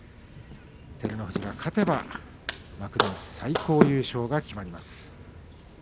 照ノ富士が勝てば幕内最高優勝が決まります。